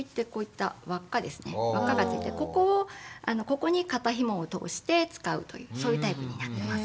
ここに肩ひもを通して使うというそういうタイプになっています。